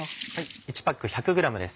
１パック１００ｇです。